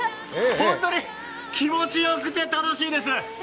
本当に気持ちよくて楽しいです。